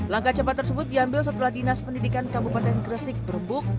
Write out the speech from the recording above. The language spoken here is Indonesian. langkah cepat tersebut diambil setelah dinas pendidikan kabupaten gresik berembuk